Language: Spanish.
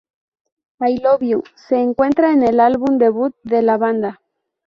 I Love You", que se encuentran en el álbum debut de la banda.